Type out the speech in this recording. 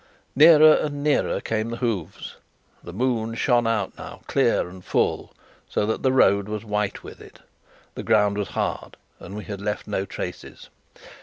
Nearer and nearer came the hoofs. The moon shone out now clear and full, so that the road was white with it. The ground was hard, and we had left no traces.